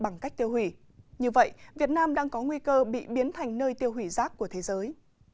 như vậy việt nam đang có nguy cơ bị biến thành nơi tiêu hủy rác của thế giới